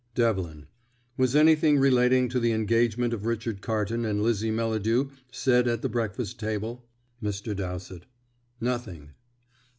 Devlin: "Was anything relating to the engagement of Richard Carton and Lizzie Melladew said at the breakfast table?" Mr. Dowsett: "Nothing."